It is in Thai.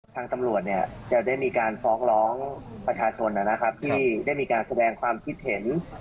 ทางตำรวจเนี่ยจะได้มีการฟ้องร้องประชาชนนะครับที่ได้มีการแสดงความคิดเห็น